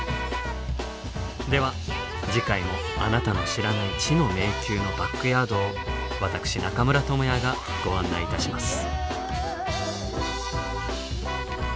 では次回もあなたの知らない「知の迷宮」のバックヤードを私中村倫也がご案内いたします。